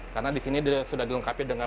karena disini sudah di lengkapi dengan